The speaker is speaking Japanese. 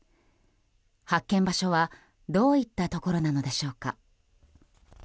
発見場所はどういったところなのでしょうか。